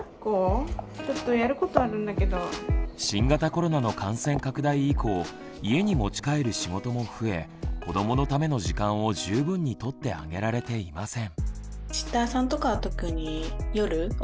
新型コロナの感染拡大以降家に持ち帰る仕事も増え子どものための時間を十分にとってあげられていません。